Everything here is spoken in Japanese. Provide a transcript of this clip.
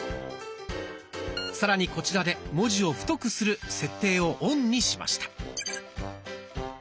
さらにこちらで「文字を太くする」設定をオンにしました。